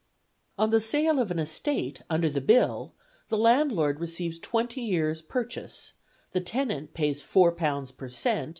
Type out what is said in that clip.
On the sale of an estate under the Bill, the landlord receives twenty years' purchase; the tenant pays £4 per cent.